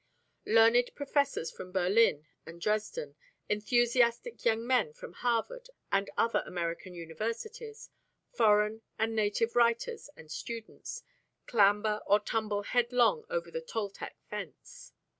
Learned professors from Berlin and Dresden; enthusiastic young men from Harvard and other American universities; foreign and native writers and students, clamber or tumble headlong over the Toltec fence.